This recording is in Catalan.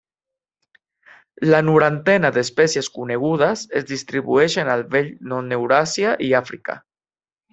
La norantena d'espècies conegudes es distribueixen al Vell Non Euràsia i Àfrica.